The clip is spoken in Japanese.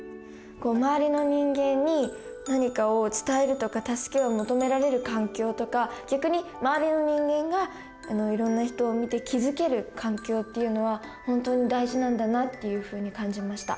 周りの人間に何かを伝えるとか助けを求められる環境とか逆に周りの人間がいろんな人を見て気付ける環境っていうのは本当に大事なんだなっていうふうに感じました。